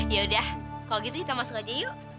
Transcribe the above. yaudah kalau gitu kita masuk aja yuk